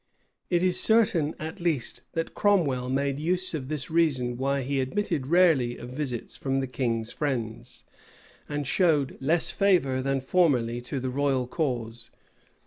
It is certain, at least, that Cromwell made use of this reason why he admitted rarely of visits from the king's friends, and showed less favor than formerly to the royal cause.